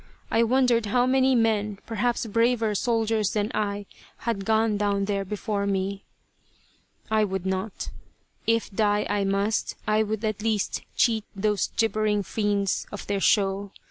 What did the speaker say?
I wondered how many men, perhaps braver soldiers than I, had gone down there before me. I would not. If die I must, I would at least cheat those gibbering fiends of their show.